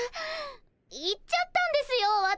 言っちゃったんですよ私。